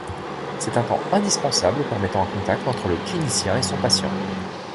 C'est un temps indispensable, permettant un contact entre le clinicien et son patient.